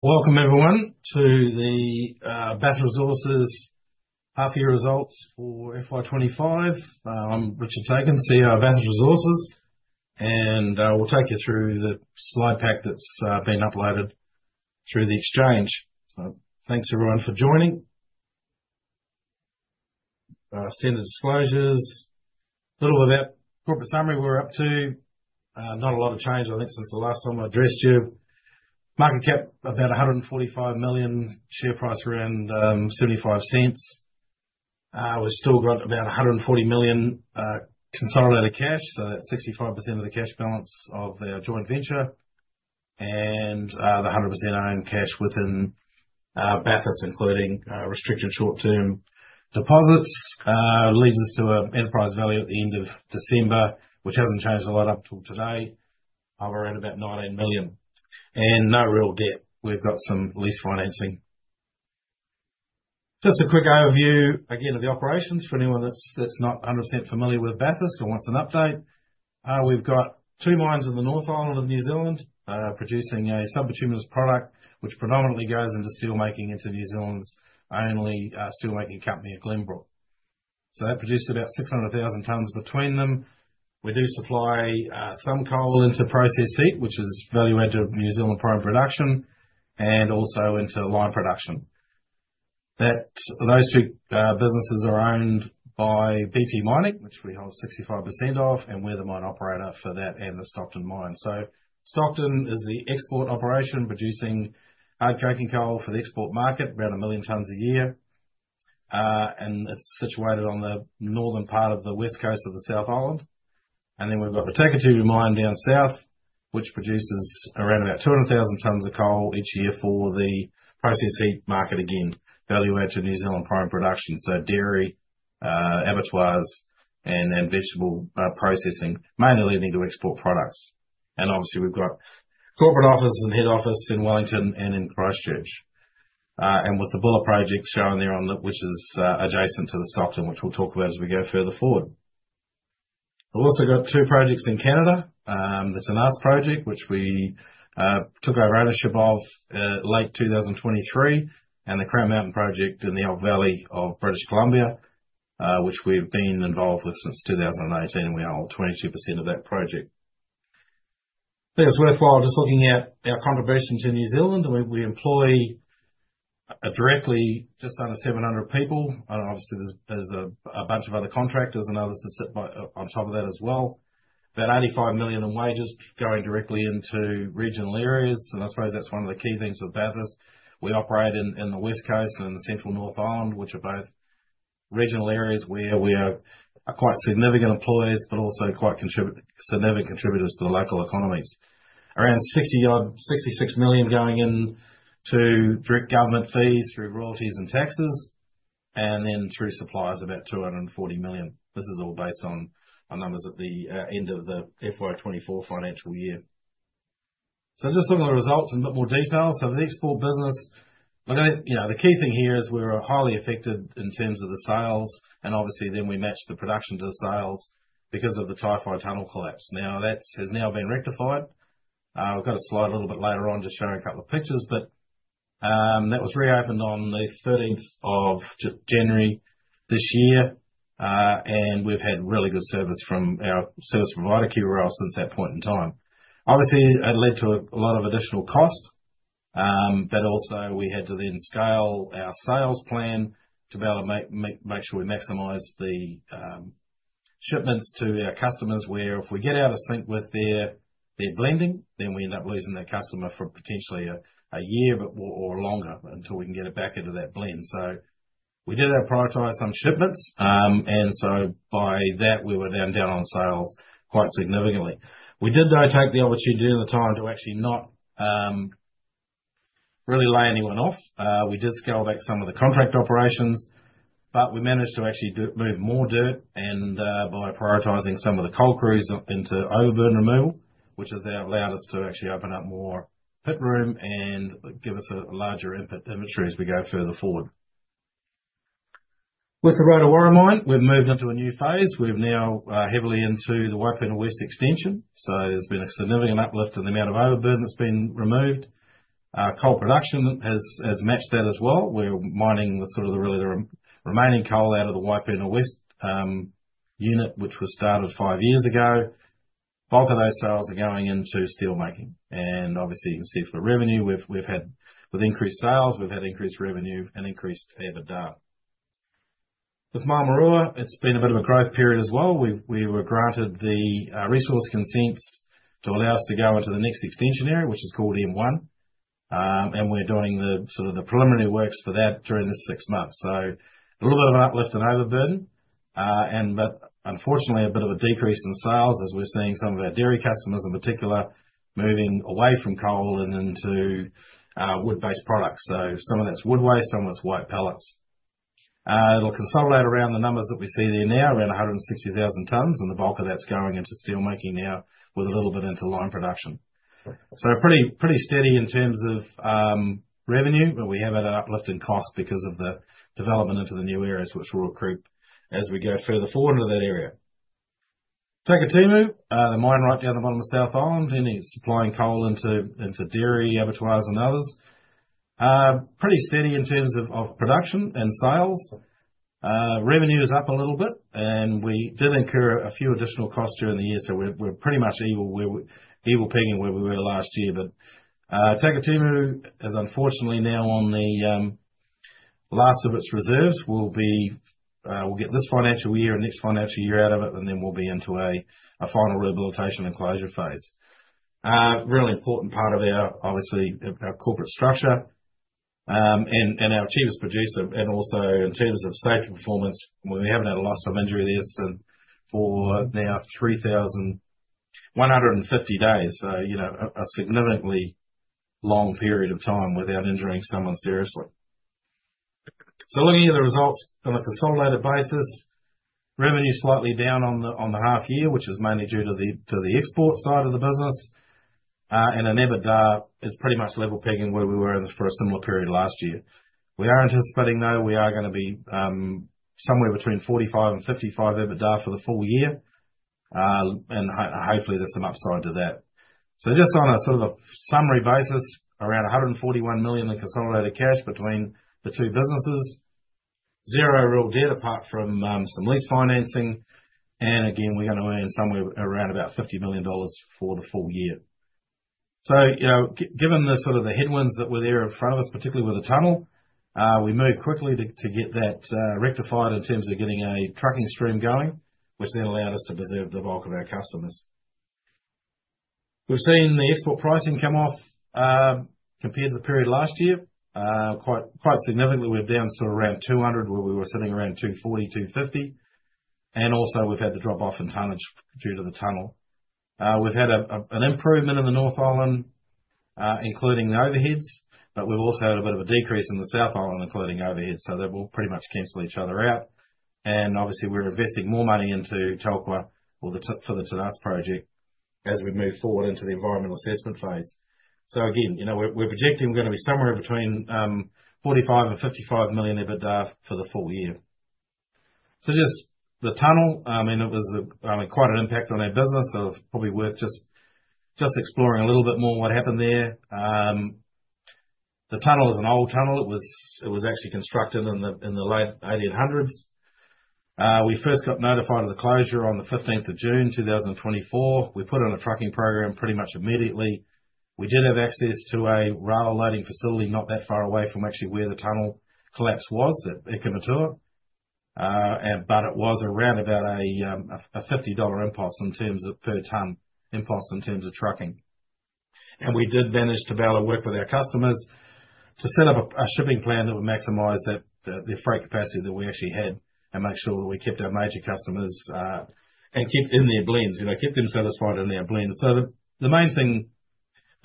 Welcome, everyone, to the Bathurst Resources Half-year Results for FY2025. I'm Richard Tacon, CEO of Bathurst Resources, and we'll take you through the slide pack that's been uploaded through the Exchange. Thanks, everyone, for joining. Standard disclosures. A little about corporate summary we're up to. Not a lot of change, I think, since the last time I addressed you. Market cap about 145 million, share price around 0.75. We've still got about 140 million consolidated cash, so that's 65% of the cash balance of our joint venture. The 100% owned cash within Bathurst, including restricted short-term deposits, leads us to an enterprise value at the end of December, which hasn't changed a lot up till today, of around about 19 million. No real debt. We've got some lease financing. Just a quick overview, again, of the operations for anyone that's not 100% familiar with Bathurst or wants an update. We've got two mines in the North Island of New Zealand producing a sub-bituminous product, which predominantly goes into steelmaking into New Zealand's only steelmaking company, Glenbrook. That produces about 600,000 tonnes between them. We do supply some coal into process heat, which is value-added to New Zealand prime production, and also into lime production. Those two businesses are owned by BT Mining, which we hold 65% of, and we're the mine operator for that and the Stockton mine. Stockton is the export operation producing hard coking coal for the export market, around 1 million tonnes a year. It is situated on the northern part of the West Coast of the South Island. We have the Takitimu mine down south, which produces around 200,000 tonnes of coal each year for the process heat market, again, value-added to New Zealand prime production. Dairy, abattoirs, and vegetable processing mainly leading to export products. We have corporate offices and head office in Wellington and in Christchurch. The Buller project is shown there, which is adjacent to Stockton, which we will talk about as we go further forward. We also have two projects in Canada, the Tenas project, which we took over ownership of in late 2023, and the Crown Mountain project in the Elk Valley of British Columbia, which we have been involved with since 2018, and we hold 22% of that project. I think it is worthwhile just looking at our contribution to New Zealand. We employ directly just under 700 people. Obviously, there's a bunch of other contractors and others that sit on top of that as well. About 85 million in wages going directly into regional areas. I suppose that's one of the key things with Bathurst. We operate in the West Coast and in the central North Island, which are both regional areas where we are quite significant employers, but also quite significant contributors to the local economies. Around 66 million going into direct government fees through royalties and taxes, and then through suppliers, about 240 million. This is all based on numbers at the end of the 2024 financial year. Just some of the results in a bit more detail. The export business, the key thing here is we're highly affected in terms of the sales. Obviously, then we match the production to the sales because of the Otira Tunnel collapse. Now, that has now been rectified. We've got a slide a little bit later on just showing a couple of pictures, but that was reopened on the 13th of January this year. We've had really good service from our service provider, KRL, since that point in time. Obviously, it led to a lot of additional cost, but also we had to then scale our sales plan to be able to make sure we maximize the shipments to our customers, where if we get out of sync with their blending, then we end up losing that customer for potentially a year or longer until we can get it back into that blend. We did prioritise some shipments. By that, we were then down on sales quite significantly. We did, though, take the opportunity during the time to actually not really lay anyone off. We did scale back some of the contract operations, but we managed to actually move more dirt by prioritizing some of the coal crews into overburden removal, which has allowed us to actually open up more pit room and give us a larger inventory as we go further forward. With the Rotowaro mine, we've moved into a new phase. We're now heavily into the Waipuna West extension. There has been a significant uplift in the amount of overburden that's been removed. Coal production has matched that as well. We're mining sort of the remaining coal out of the Waipuna West unit, which was started five years ago. Bulk of those sales are going into steelmaking. Obviously, you can see for the revenue, with increased sales, we've had increased revenue and increased output. With Maramarua, it's been a bit of a growth period as well. We were granted the resource consents to allow us to go into the next extension area, which is called M1. We are doing the sort of the preliminary works for that during this six months. A little bit of uplift in overburden, but unfortunately, a bit of a decrease in sales as we are seeing some of our dairy customers in particular moving away from coal and into wood-based products. Some of that is wood waste, some of it is white pellets. It will consolidate around the numbers that we see there now, around 160,000 tonnes, and the bulk of that is going into steelmaking now with a little bit into lime production. Pretty steady in terms of revenue, but we have had an uplift in cost because of the development into the new areas which we will recruit as we go further forward into that area. Takitimu, the mine right down the bottom of South Island, then supplying coal into dairy, abattoirs, and others. Pretty steady in terms of production and sales. Revenue is up a little bit, and we did incur a few additional costs during the year, so we're pretty much equal pegging where we were last year. Takitimu is unfortunately now on the last of its reserves. We'll get this financial year and next financial year out of it, and then we'll be into a final rehabilitation and closure phase. Really important part of our, obviously, our corporate structure and our cheapest producer. Also in terms of safety performance, we haven't had a loss of injury there since for now 150 days. A significantly long period of time without injuring someone seriously. Looking at the results on a consolidated basis, revenue is slightly down on the half year, which is mainly due to the export side of the business. EBITDA is pretty much level pegging where we were for a similar period last year. We are anticipating, though, we are going to be somewhere between $45 million and $55 million EBITDA for the full year. Hopefully, there is some upside to that. Just on a sort of summary basis, around 141 million in consolidated cash between the two businesses. Zero real debt apart from some lease financing. Again, we are going to earn somewhere around about $50 million for the full year. Given the sort of the headwinds that were there in front of us, particularly with the tunnel, we moved quickly to get that rectified in terms of getting a trucking stream going, which then allowed us to preserve the bulk of our customers. We've seen the export pricing come off compared to the period last year. Quite significantly, we're down to around 200, where we were sitting around 240-250. Also, we've had the drop-off in tonnage due to the tunnel. We've had an improvement in the North Island, including the overheads, but we've also had a bit of a decrease in the South Island, including overheads, so they will pretty much cancel each other out. Obviously, we're investing more money into Telkwa for the Tenas project as we move forward into the environmental assessment phase. We're projecting we're going to be somewhere between $45 million and $55 million EBITDA for the full year. Just the tunnel, I mean, it was quite an impact on our business. It's probably worth just exploring a little bit more what happened there. The tunnel is an old tunnel. It was actually constructed in the late 1800s. We first got notified of the closure on the 15th of June, 2024. We put on a trucking program pretty much immediately. We did have access to a rail loading facility not that far away from actually where the tunnel collapse was at Ikamatua. It was around about a 50 dollar impost per tonne in terms of trucking. We did manage to be able to work with our customers to set up a shipping plan that would maximize the freight capacity that we actually had and make sure that we kept our major customers and kept in their blends, kept them satisfied in their blends. The main thing,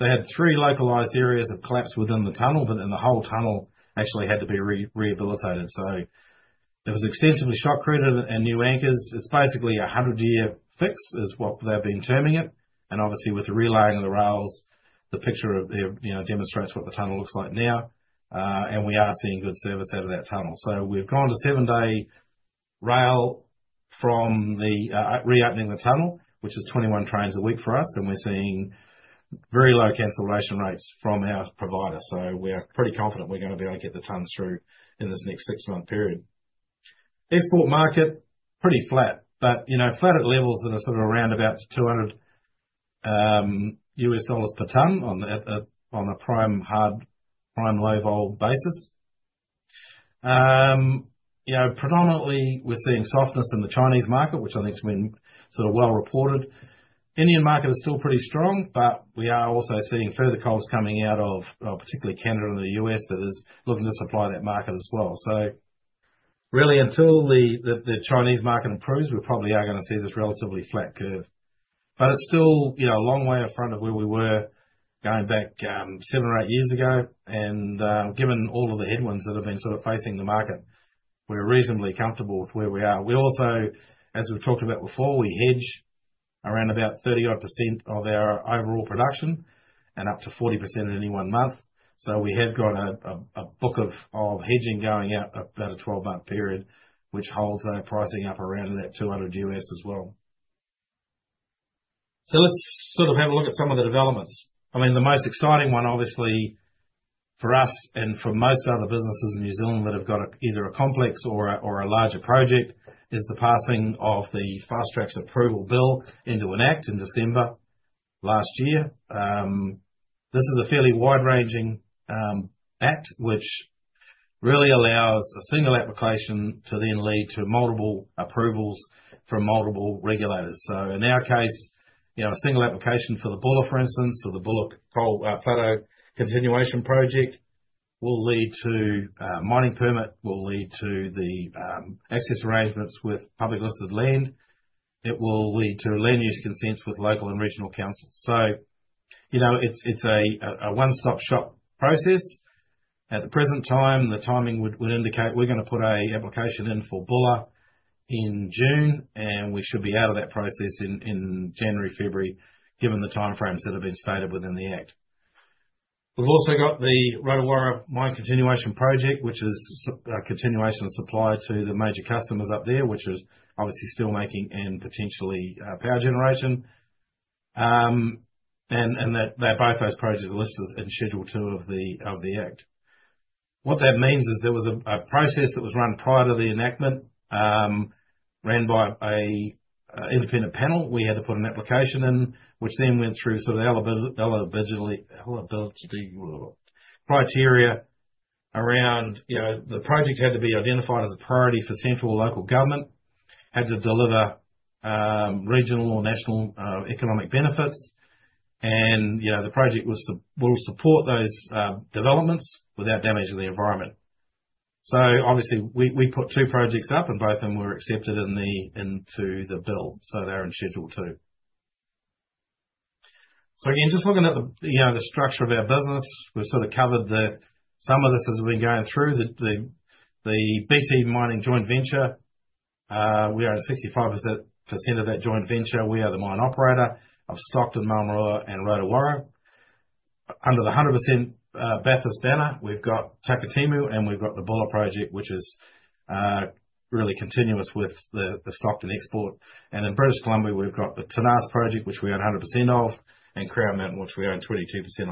they had three localized areas of collapse within the tunnel, but then the whole tunnel actually had to be rehabilitated. It was extensively shotcreted and new anchors. It is basically a 100-year fix is what they have been terming it. Obviously, with the relaying of the rails, the picture demonstrates what the tunnel looks like now. We are seeing good service out of that tunnel. We have gone to seven-day rail from reopening the tunnel, which is 21 trains a week for us. We are seeing very low cancellation rates from our provider. We're pretty confident we're going to be able to get the tonnes through in this next six-month period. Export market, pretty flat, but flat at levels that are sort of around about $200 US dollars per tonne on a prime low vol basis. Predominantly, we're seeing softness in the Chinese market, which I think has been sort of well reported. Indian market is still pretty strong, but we are also seeing further coals coming out of particularly Canada and the US that is looking to supply that market as well. Really, until the Chinese market improves, we probably are going to see this relatively flat curve. It's still a long way in front of where we were going back seven or eight years ago. Given all of the headwinds that have been sort of facing the market, we're reasonably comfortable with where we are. We also, as we've talked about before, we hedge around about 35% of our overall production and up to 40% in any one month. We have got a book of hedging going out about a 12-month period, which holds our pricing up around that $200 as well. Let's sort of have a look at some of the developments. I mean, the most exciting one, obviously, for us and for most other businesses in New Zealand that have got either a complex or a larger project is the passing of the Fast-track Approvals Bill into an act in December last year. This is a fairly wide-ranging act, which really allows a single application to then lead to multiple approvals from multiple regulators. In our case, a single application for the Buller, for instance, or the Buller Plateau Continuation Project will lead to a mining permit, will lead to the access arrangements with publicly listed land. It will lead to land use consents with local and regional councils. It's a one-stop-shop process. At the present time, the timing would indicate we're going to put an application in for Buller in June, and we should be out of that process in January, February, given the timeframes that have been stated within the act. We've also got the Rotowaro mine continuation project, which is a continuation of supply to the major customers up there, which is obviously steelmaking and potentially power generation. Both those projects are listed in Schedule 2 of the act. What that means is there was a process that was run prior to the enactment, ran by an independent panel. We had to put an application in, which then went through sort of eligibility criteria around the project had to be identified as a priority for central or local government, had to deliver regional or national economic benefits. The project will support those developments without damaging the environment. Obviously, we put two projects up, and both of them were accepted into the bill. They are in Schedule 2. Again, just looking at the structure of our business, we have sort of covered some of this as we have been going through. The BT Mining joint venture, we are at 65% of that joint venture. We are the mine operator of Stockton, Maramarua, and Rotowaro. Under the 100% Bathurst banner, we've got Takitimu, and we've got the Buller project, which is really continuous with the Stockton export. In British Columbia, we've got the Tenas project, which we own 100% of, and Crown Mountain, which we own 22%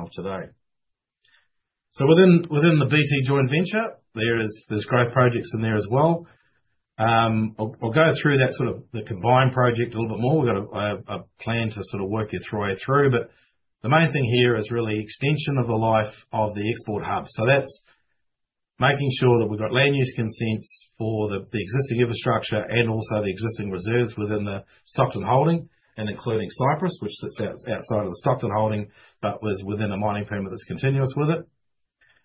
of today. Within the BT Joint Venture, there's growth projects in there as well. I'll go through that sort of the combined project a little bit more. We've got a plan to sort of work it through. The main thing here is really extension of the life of the export hub. That is making sure that we've got land use consents for the existing infrastructure and also the existing reserves within the Stockton holding, including Cypress, which sits outside of the Stockton holding, but is within a mining permit that's continuous with it.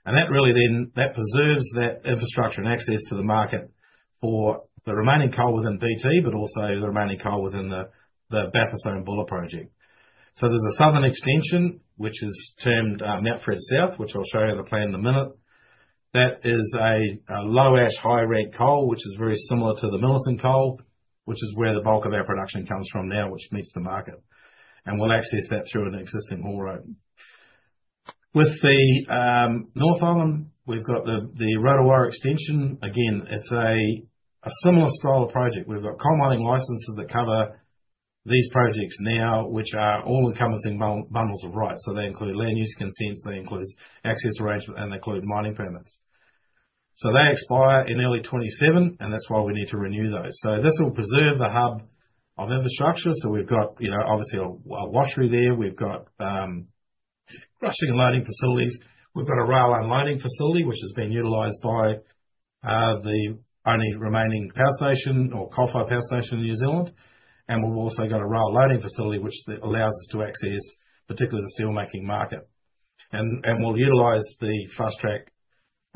That really then preserves that infrastructure and access to the market for the remaining coal within BT, but also the remaining coal within the Bathurst and Buller project. There is a southern extension, which is termed Mount Fred South, which I'll show you the plan in a minute. That is a low-ash, high-reg coal, which is very similar to the Millerton coal, which is where the bulk of our production comes from now, which meets the market. We'll access that through an existing haul road. With the North Island, we've got the Rotowaro extension. Again, it's a similar style of project. We've got coal mining licenses that cover these projects now, which are all-encompassing bundles of rights. They include land use consents, they include access arrangements, and they include mining permits. They expire in early 2027, and that's why we need to renew those. This will preserve the hub of infrastructure. We have obviously a washery there. We have crushing and loading facilities. We have a rail and loading facility, which has been utilized by the only remaining power station or coal-fired power station in New Zealand. We also have a rail loading facility, which allows us to access particularly the steelmaking market. We will utilize the Fast-track Approvals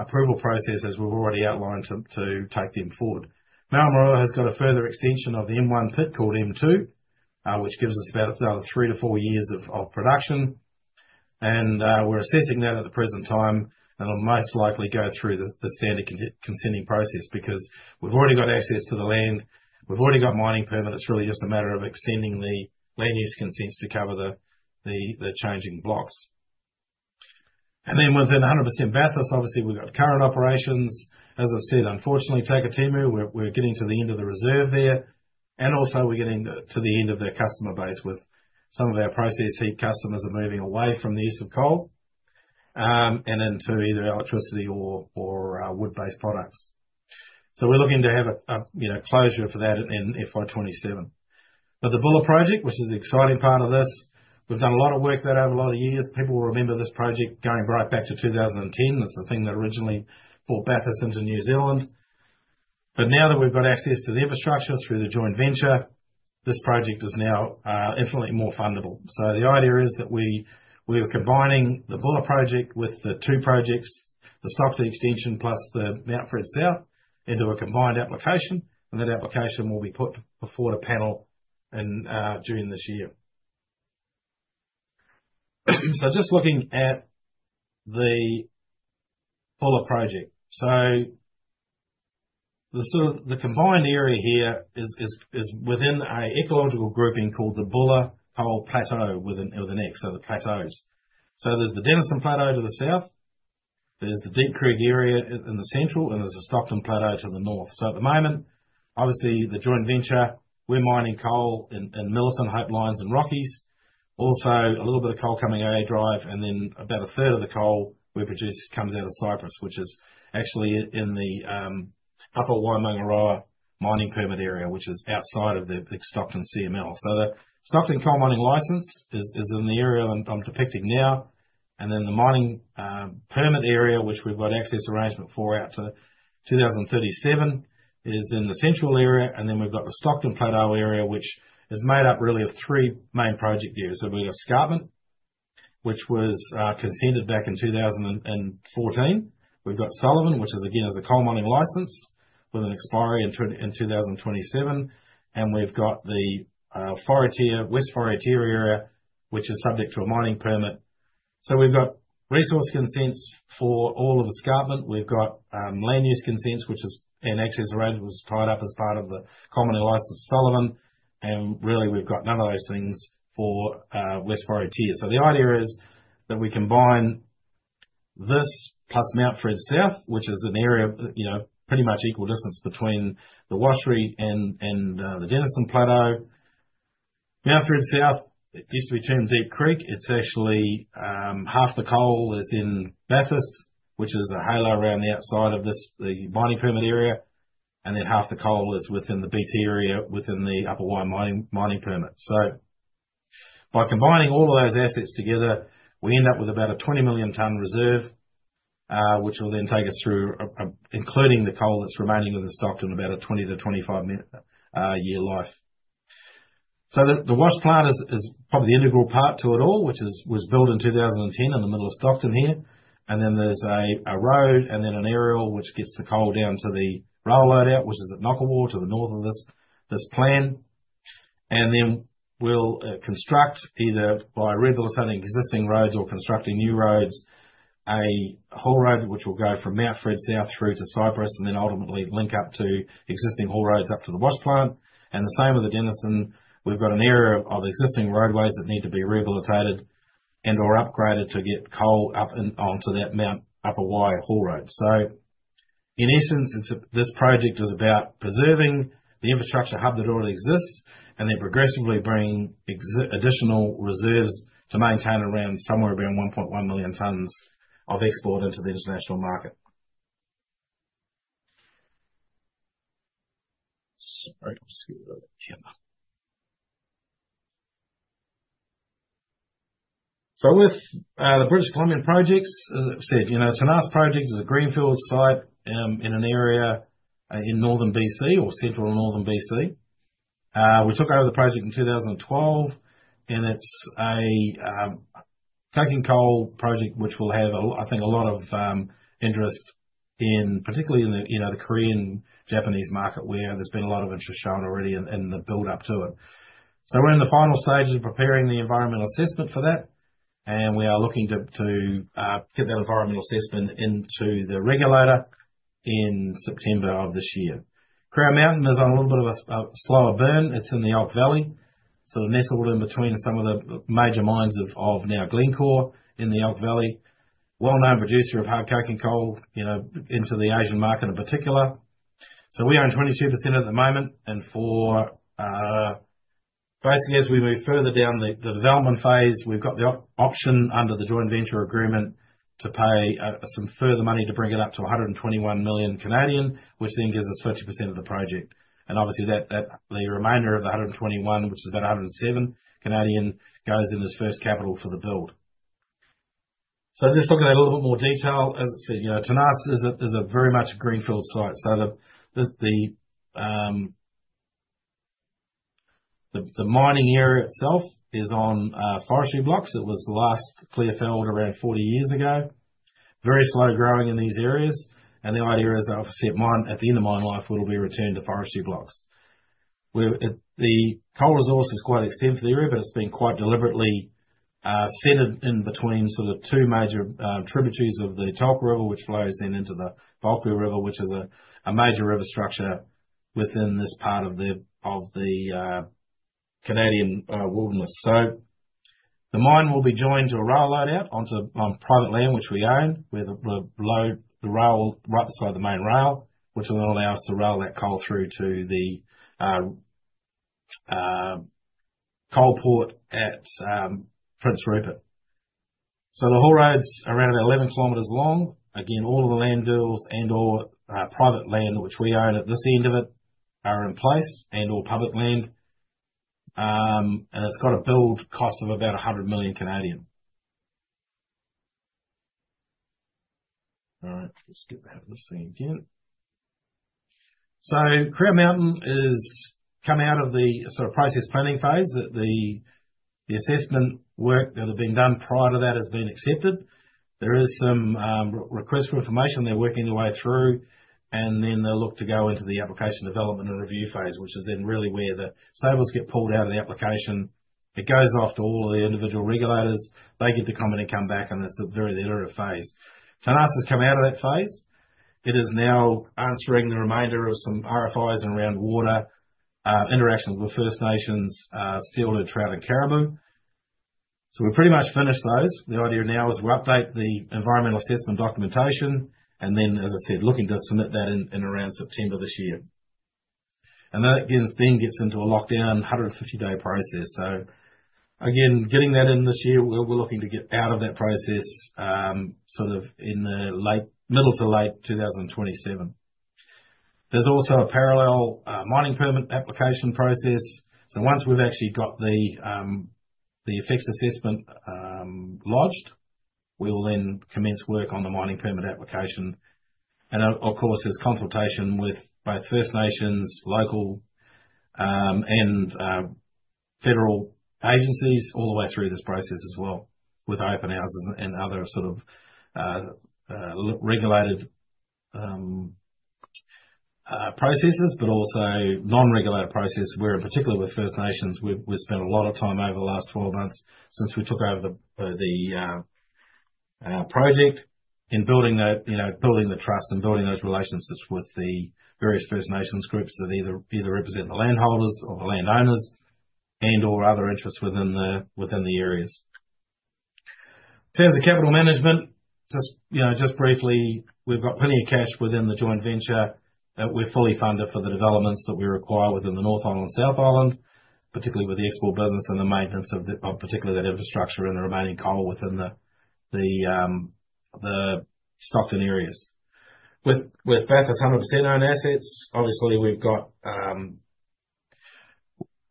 Act process, as we have already outlined, to take them forward. Maramarua has a further extension of the M1 pit called M2, which gives us about another three to four years of production. We are assessing that at the present time and will most likely go through the standard consenting process because we already have access to the land. We already have mining permits. It is really just a matter of extending the land use consents to cover the changing blocks. Within 100% Bathurst, obviously, we've got current operations. As I've said, unfortunately, Takitimu, we're getting to the end of the reserve there. Also, we're getting to the end of their customer base with some of our process heat customers moving away from the use of coal and into either electricity or wood-based products. We're looking to have a closure for that in FY2027. The Buller project, which is the exciting part of this, we've done a lot of work there over a lot of years. People will remember this project going right back to 2010. It's the thing that originally brought Bathurst into New Zealand. Now that we've got access to the infrastructure through the joint venture, this project is now infinitely more fundable. The idea is that we are combining the Buller project with the two projects, the Stockton extension plus the Mount Fred South, into a combined application. That application will be put before the panel during this year. Just looking at the Buller project, the combined area here is within an ecological grouping called the Buller Coal Plateau, so the plateaus. There is the Denniston Plateau to the south, the Deep Creek area in the central, and the Stockton Plateau to the north. At the moment, obviously, the joint venture, we are mining coal in Millerton, Hope, Lions, and Rockies. Also, a little bit of coal coming out of A Drive, and then about a third of the coal we produce comes out of Cypress, which is actually in the Upper Waimangaroa Mining Permit area, which is outside of the Stockton Coal Mining License. The Stockton Coal Mining License is in the area I'm depicting now. The mining permit area, which we've got access arrangement for out to 2037, is in the central area. We've got the Stockton Plateau area, which is made up really of three main project areas. We've got Escarpment, which was consented back in 2014. We've got Sullivan, which is again a Coal Mining License with an expiry in 2027. We've got the Whareatea West area, which is subject to a mining permit. We've got resource consents for all of the Escarpment. We've got land use consents, which is an access arrangement that was tied up as part of the commonly licensed Sullivan. Really, we've got none of those things for Whareatea West. The idea is that we combine this plus Mount Fred South, which is an area of pretty much equal distance between the washery and the Denniston Plateau. Mount Fred South, it used to be termed Deep Creek. It's actually half the coal is in Bathurst, which is a halo around the outside of the mining permit area. Then half the coal is within the BT area within the Upper Waimangaroa Mining Permit. By combining all of those assets together, we end up with about a 20 million tonne reserve, which will then take us through, including the coal that's remaining in the Stockton, about a 20-25 year life. The wash plant is probably the integral part to it all, which was built in 2010 in the middle of Stockton here. There is a road and then an aerial which gets the coal down to the rail loadout, which is at Ngakawau to the north of this plan. We will construct either by rebuilding existing roads or constructing new roads, a haul road which will go from Mount Fred South through to Cypress and then ultimately link up to existing haul roads up to the wash plant. The same with the Denniston. We have an area of existing roadways that need to be rehabilitated and/or upgraded to get coal up onto that Upper Waimangaroa haul road. In essence, this project is about preserving the infrastructure hub that already exists and then progressively bringing additional reserves to maintain somewhere around 1.1 million tonnes of export into the international market. Sorry. With the British Columbian projects, as I've said, Tenas project is a greenfield site in an area in northern BC or central northern BC. We took over the project in 2012, and it's a coking coal project which will have, I think, a lot of interest, particularly in the Korean-Japanese market where there's been a lot of interest shown already in the build-up to it. We are in the final stages of preparing the environmental assessment for that. We are looking to get that environmental assessment into the regulator in September of this year. Crown Mountain is on a little bit of a slower burn. It's in the Elk Valley, sort of nestled in between some of the major mines of now Glencore in the Elk Valley, well-known producer of hard coking coal into the Asian market in particular. We own 22% at the moment. Basically, as we move further down the development phase, we've got the option under the joint venture agreement to pay some further money to bring it up to 121 million, which then gives us 30% of the project. Obviously, the remainder of the 121 million, which is about 107 million, goes in as first capital for the build. Just looking at a little bit more detail, as I said, Tenas is a very much greenfield site. The mining area itself is on forestry blocks. It was last clearfelled around 40 years ago. Very slow growing in these areas. The idea is, obviously, at the end of mine life, it'll be returned to forestry blocks. The coal resource is quite extensive here, but it's been quite deliberately centered in between sort of two major tributaries of the Telkwa River, which flows then into the Bulkley River, which is a major river structure within this part of the Canadian wilderness. The mine will be joined to a rail loadout on private land, which we own. The rail will be right beside the main rail, which will then allow us to rail that coal through to the coal port at Prince Rupert. The haul roads are around about 11 km long. Again, all of the land drills and/or private land, which we own at this end of it, are in place and/or public land. It's got a build cost of about 100 million. All right. Let's get that listing again. Crown Mountain has come out of the sort of process planning phase. The assessment work that had been done prior to that has been accepted. There is some request for information. They're working their way through. They will look to go into the application development and review phase, which is really where the stables get pulled out of the application. It goes off to all of the individual regulators. They get to come in and come back, and it's a very iterative phase. Tenas has come out of that phase. It is now answering the remainder of some RFIs around water interaction with First Nations, steelhead, trout, and caribou. We have pretty much finished those. The idea now is we'll update the environmental assessment documentation. As I said, looking to submit that in around September this year. That again then gets into a lockdown 150-day process. Again, getting that in this year, we're looking to get out of that process sort of in the middle to late 2027. There's also a parallel mining permit application process. Once we've actually got the effects assessment lodged, we will then commence work on the mining permit application. Of course, there's consultation with both First Nations, local, and federal agencies all the way through this process as well, with open houses and other sort of regulated processes, but also non-regulated process. Where in particular with First Nations, we've spent a lot of time over the last 12 months since we took over the project in building the trust and building those relationships with the various First Nations groups that either represent the landholders or the landowners and/or other interests within the areas. In terms of capital management, just briefly, we've got plenty of cash within the joint venture. We're fully funded for the developments that we require within the North Island and South Island, particularly with the export business and the maintenance of particularly that infrastructure and the remaining coal within the Stockton areas. With Bathurst, 100% own assets, obviously, we've got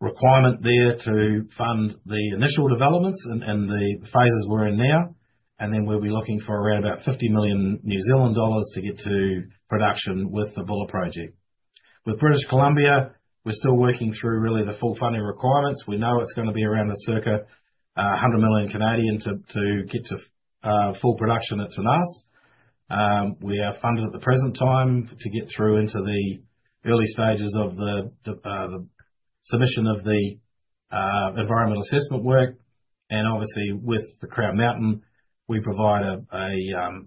requirement there to fund the initial developments and the phases we're in now. We will be looking for around about 50 million New Zealand dollars to get to production with the Buller Project. With British Columbia, we're still working through really the full funding requirements. We know it's going to be around a circa 100 million to get to full production at Tenas. We are funded at the present time to get through into the early stages of the submission of the environmental assessment work. Obviously, with the Crown Mountain, we provide 20%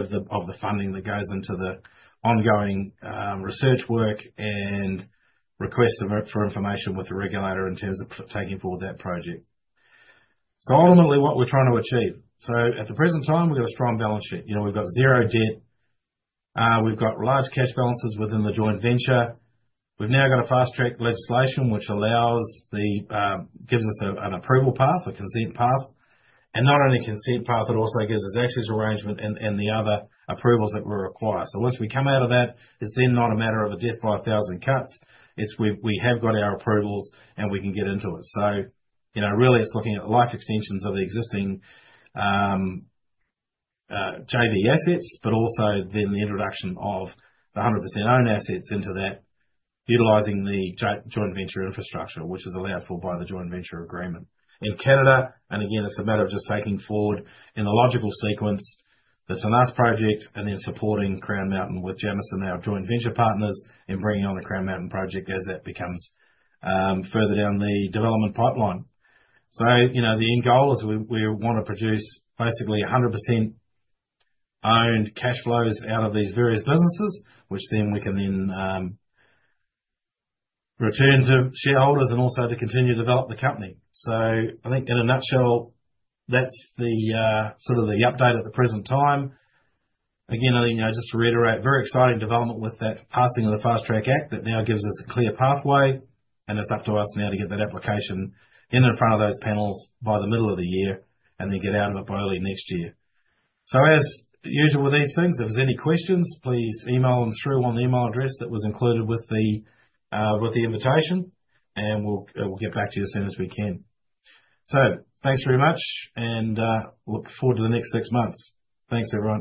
of the funding that goes into the ongoing research work and requests for information with the regulator in terms of taking forward that project. Ultimately, what we're trying to achieve. At the present time, we've got a strong balance sheet. We've got zero debt. We've got large cash balances within the joint venture. We've now got a Fast-track Approvals Act, which gives us an approval path, a consent path. Not only a consent path, it also gives us access arrangement and the other approvals that we require. Once we come out of that, it's then not a matter of a death by a thousand cuts. We have got our approvals, and we can get into it. Really, it's looking at life extensions of the existing JV assets, but also then the introduction of the 100% own assets into that, utilizing the joint venture infrastructure, which is allowed for by the joint venture agreement. In Canada, it's a matter of just taking forward in the logical sequence, the Tenas project, and then supporting Crown Mountain with Jameson, our joint venture partners, and bringing on the Crown Mountain project as that becomes further down the development pipeline. The end goal is we want to produce basically 100% owned cash flows out of these various businesses, which then we can then return to shareholders and also to continue to develop the company. I think in a nutshell, that's sort of the update at the present time. Again, I think just to reiterate, very exciting development with that passing of the Fast-track Approvals Act that now gives us a clear pathway. It is up to us now to get that application in front of those panels by the middle of the year and then get out of it by early next year. As usual with these things, if there are any questions, please email them through on the email address that was included with the invitation. We will get back to you as soon as we can. Thanks very much, and look forward to the next six months. Thanks, everyone.